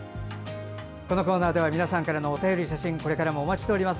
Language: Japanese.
このコーナーでは皆さんからのお便り、写真お待ちしております。